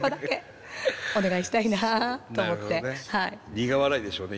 苦笑いでしょうね